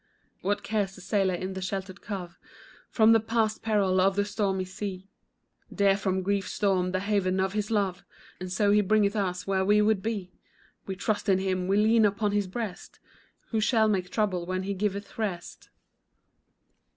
What cares the sailor in the sheltered cove For the past peril of the stormy sea; Dear from grief's storm the haven of His love, And so He bringeth us where we would be; We trust in Him, we lean upon His breast, Who shall make trouble when He giveth rest?